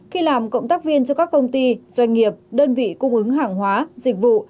khi làm cộng tác viên cho các công ty doanh nghiệp đơn vị cung ứng hàng hóa dịch vụ